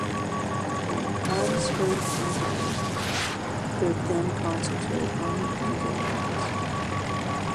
The Habsburg Empire could then concentrate on the Hungarians.